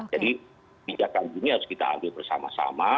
jadi pijakan dunia harus kita ambil bersama sama